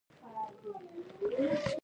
پلی سړی یو څه هوسا وي.